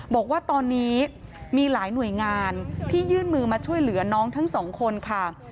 บอกว่าตอนนี้มีหลายหน่วยงานที่ยื่นมือมาช่วยเหลือน้องทั้งสองคนค่ะ